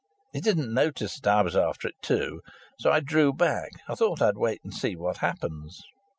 He didn't notice that I was after it too. So I drew back. I thought I'd wait and see what happens."